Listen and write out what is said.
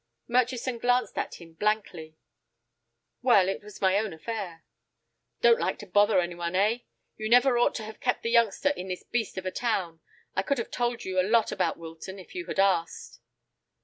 Murchison glanced at him blankly. "Well, it was my own affair." "Didn't like to bother any one, eh? You never ought to have kept the youngster in this beast of a town. I could have told you a lot about Wilton if you had asked."